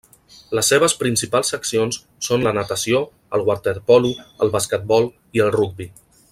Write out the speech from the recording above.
Les seves principals seccions són la natació, el waterpolo, el basquetbol i el rugbi.